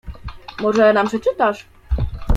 "Może nam przeczytasz?"